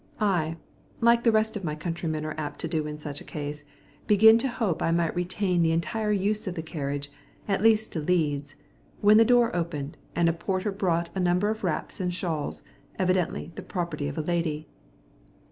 I, like the rest of my countrymen are apt to do in such a case, began to hope I might retain the entire use of the carriage, at least to Leeds, when the door opened, and a porter brought a number of wraps and shawls, evidently the property of a lady.